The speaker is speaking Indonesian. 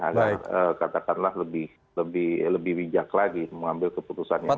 agar katakanlah lebih bijak lagi mengambil keputusan yang baik